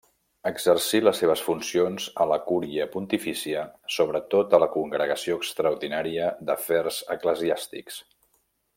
Exercí les seves funcions a la Cúria Pontifícia, sobretot a la Congregació Extraordinària d'Afers Eclesiàstics.